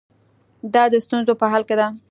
دا د ستونزو په حل کې ده.